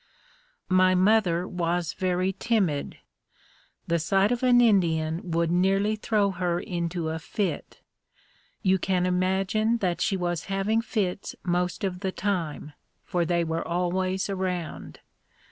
My mother was very timid. The sight of an Indian would nearly throw her into a fit. You can imagine that she was having fits most of the time for they were always around.